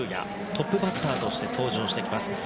トップバッターとして登場します。